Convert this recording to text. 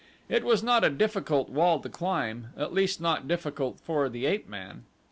It was not a difficult wall to climb, at least not difficult for the ape man.